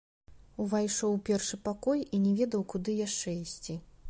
Увайшоў у першы пакой і не ведаў, куды яшчэ ісці.